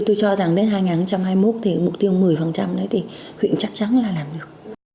tôi cho rằng đến hai nghìn hai mươi một thì mục tiêu một mươi đấy thì huyện chắc chắn là làm được